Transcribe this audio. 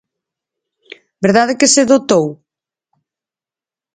¿Verdade que se dotou?